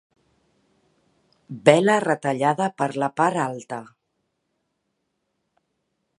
Vela retallada per la part alta.